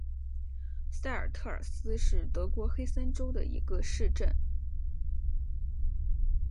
塞尔特尔斯是德国黑森州的一个市镇。